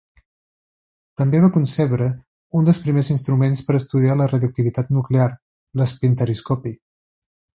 També va concebre un dels primers instruments per estudiar la radioactivitat nuclear, l'espintariscopi.